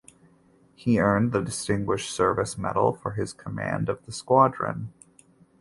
He earned the Distinguished Service Medal for his command of the squadron.